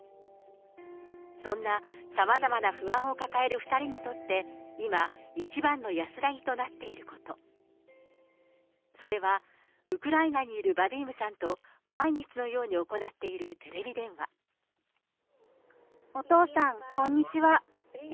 そんなさまざまな不安を抱える２人にとって、今、一番の安らぎとなっていること、それは、ウクライナにいるバディームさんと毎日のように行っているテレビお父さん、こんにちは。